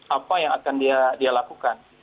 apa yang akan dia lakukan